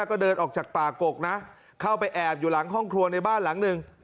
ก็เดินออกจากป่ากกนะเข้าไปแอบอยู่หลังห้องครัวในบ้านหลังหนึ่ง